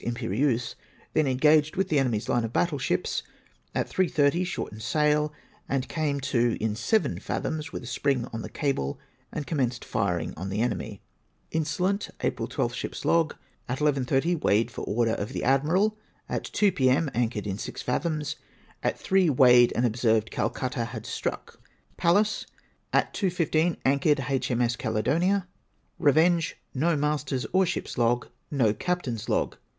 Imperleuse. Then engaged with the enemy's line of battle ships. At 3 30 shortened sail and came to in seven fathoms with a spring on the cable, and commenced firing on the enemy. Insolent. At 11 30 weighed for order of the Admiral. At 2 p.m. anchored in six fathoms. At 3 weighed and observed Cal cutta had stnick. Pallas. At 12*15 anchored H.M.S. Caledonia. Revenge. No Master's or ship's log. No Captain's log.